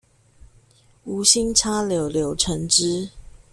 無心插柳柳橙汁